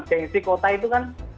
gengsi kota itu kan